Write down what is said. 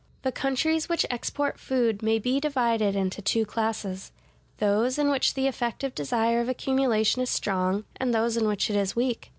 The countries which export food may be divided into two classes: those in which the effective desire of accumulation is strong, and those in which it is weak.